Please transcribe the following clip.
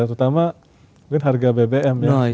terutama mungkin harga bbm ya